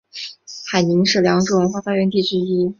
海宁是良渚文化发源地之一。